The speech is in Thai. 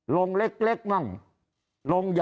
ลงเล็กมั่ง